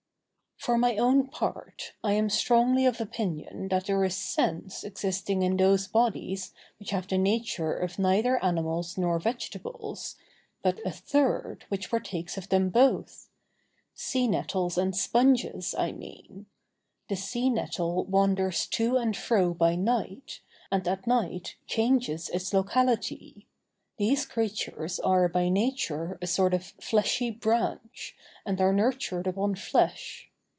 For my own part, I am strongly of opinion that there is sense existing in those bodies which have the nature of neither animals nor vegetables, but a third which partakes of them both:—sea nettles and sponges, I mean. The sea nettle wanders to and fro by night, and at night changes its locality. These creatures are by nature a sort of fleshy branch, and are nurtured upon flesh.